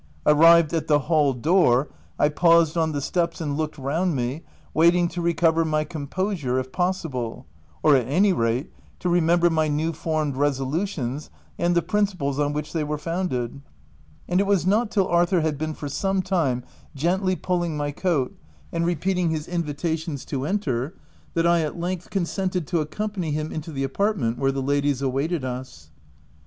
Arrived at the hall door, 1 paused on the steps and looked round me, wai ting to re cover my composure, if possible — or at any rate, to remember my new formed resolutions and the principles on which they were founded ; and it was not till Arthur had been for some time gently pulling my coat, and repeating his in p 2 316 THE TENANT vitations to enter, that I at length consented to accompany him into the apartment where the ladies awaited us.